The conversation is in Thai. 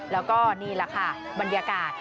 แล้วก็นี่แหละค่ะบรรยากาศ